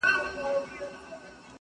o مړی ئې غيم، زه خپل ياسين پر تېزوم!